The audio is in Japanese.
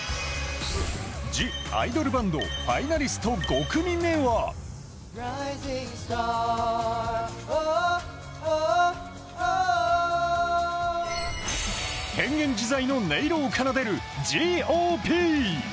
「ＴＨＥＩＤＯＬＢＡＮＤ」ファイナリスト５組目は変幻自在の音色を奏でるＧ．Ｏ．Ｐ。